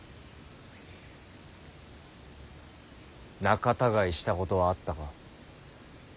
仲たがいしたことはあったか。